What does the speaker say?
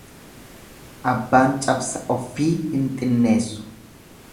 Abbaan cabsa offii hin xinneessu.